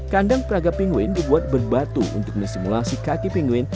kandang peraga penguin dibuat berbatu untuk mensimulasi kaki penguin